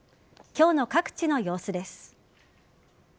今日の各地の様子です。